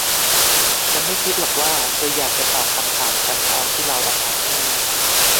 ฉันไม่คิดหรอกว่าเธออยากจะตอบคำถามฉันตอนที่เราออกมาที่นี่